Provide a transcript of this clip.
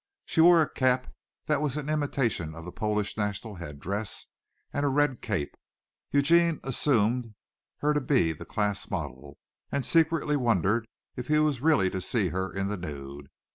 She wore a cap that was an imitation of the Polish national head dress, and a red cape. Eugene assumed her to be the class model and secretly wondered if he was really to see her in the nude.